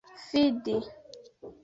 fidi